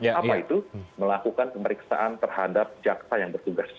apa itu melakukan pemeriksaan terhadap jaksa yang bertugas